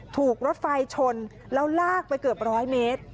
ถูกรถไฟชนแล้วลากไปเกือบร้อยเมตร